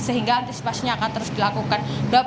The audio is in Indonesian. sehingga antisipasinya akan terus dilakukan